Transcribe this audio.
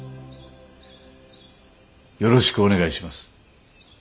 よろしくお願いします。